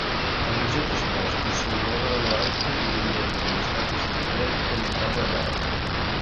Tra gli oggetti esposti si annoverano anche i rilievi delle statue-stele dell'Età del rame.